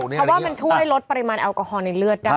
เพราะว่ามันช่วยลดปริมาณแอลกอฮอลในเลือดได้